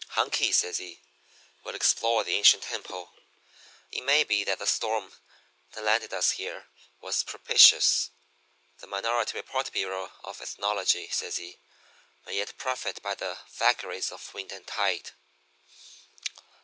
"'Hunky,' says he, 'we'll explore the ancient temple. It may be that the storm that landed us here was propitious. The Minority Report Bureau of Ethnology,' says he, 'may yet profit by the vagaries of wind and tide.'